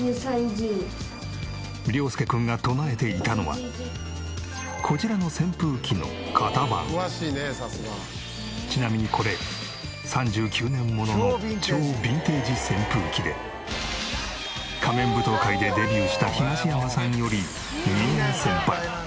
涼介君が唱えていたのはこちらのちなみにこれ３９年物の超ヴィンテージ扇風機で『仮面舞踏会』でデビューした東山さんより。